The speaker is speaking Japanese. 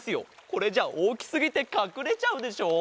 これじゃおおきすぎてかくれちゃうでしょ？